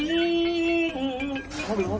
สวัสดีครับ